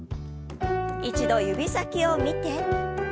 一度指先を見て。